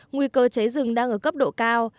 nguy cơ cháy rừng đang ở cấp độ cao